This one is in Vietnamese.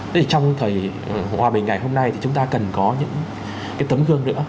thế thì trong thời hòa bình ngày hôm nay thì chúng ta cần có những cái tấm gương nữa